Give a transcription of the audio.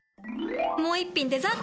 もう一品デザート！